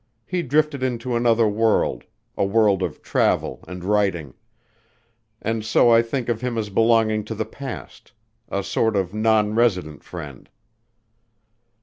He drifted into another world ... a world of travel and writing ... and so I think of him as belonging to the past a sort of non resident friend."